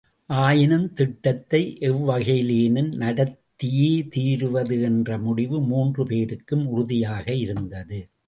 ஆயினும் திட்டத்தை எவ்வகையிலேனும் நடத்தியே தீருவது என்ற முடிவு மூன்று பேருக்கும் உறுதியாக இருந்தது.